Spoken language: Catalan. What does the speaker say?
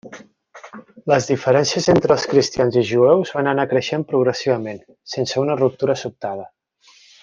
Les diferències entre els cristians i jueus van anar creixent progressivament, sense una ruptura sobtada.